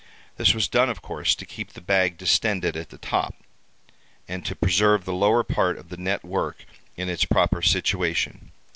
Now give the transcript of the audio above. This was done, of course, to keep the bag distended at the top, and to preserve the lower part of the net work in its proper situation.